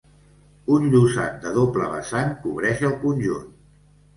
Un llosat de doble vessant cobreix el conjunt.